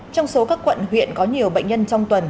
trong số các quận huyện có nhiều bệnh nhân trong tuần